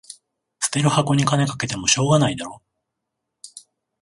捨てる箱に金かけてもしょうがないだろ